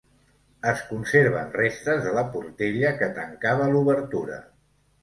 Es conserven restes de la portella que tancava l'obertura.